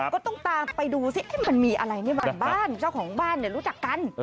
ก็ต้องตามไปดูสิมันมีอะไรในบ้านเจ้าของบ้านรู้จักกัน